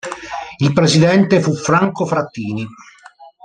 Il presidente fu Franco Frattini.